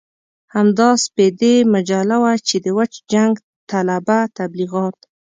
همدا سپېدې مجله وه چې د وچ جنګ طلبه تبليغات.